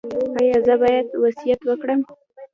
ایا زه باید وصیت وکړم؟